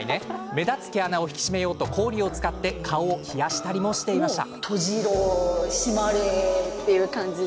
目立つ毛穴を引き締めようと氷を使い顔を冷やしたりもしていました。